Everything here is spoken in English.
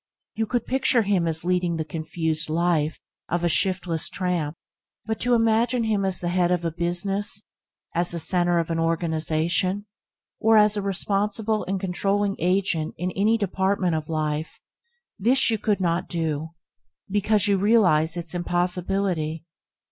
You could picture him as leading the confused life of a shiftless tramp but to imagine him at the head of a business, as the centre of an organisation, or as a responsible and controlling agent in any department of life – this you could not do, because you realise its impossibility.